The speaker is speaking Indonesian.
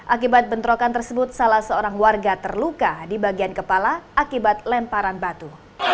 akibat bentrokan tersebut salah seorang warga terluka di bagian kepala akibat lemparan batu